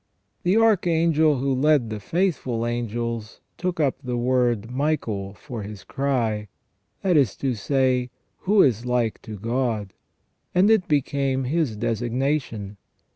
The Archangel who led the faithful angels took up the word Michael for his crj', that is to say : Who is like to God ? and it became his designation.